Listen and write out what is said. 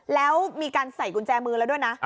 แล้วมีการใส่กุญแจมือแล้วด้วยนะ